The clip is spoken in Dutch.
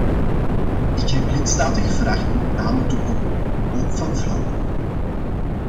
Ik heb lidstaten gevraagd met namen te komen, ook van vrouwen.